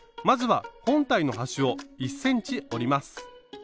まずは本体の端を１ｃｍ折ります。